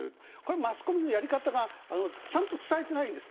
マスコミのやり方がちゃんと伝えていないんですよ。